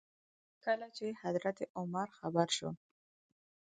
کله چې حضرت عمر خبر شو.